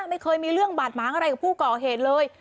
ไม่เคยมีเรื่องบาดหมางอะไรกับผู้ก่อเหตุเลย